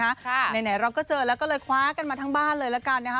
ไหนเราก็เจอแล้วก็เลยคว้ากันมาทั้งบ้านเลยละกันนะคะ